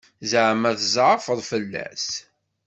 Ẓeɛma tzeɛfeḍ fell-as?